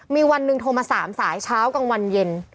มีวันหนึ่งโทรมา๓สายเช้ากลางวันเย็น